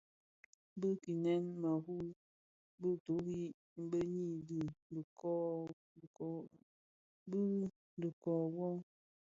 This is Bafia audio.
Bi kinyèn-më iru bi duru beyin di dhikob wuō,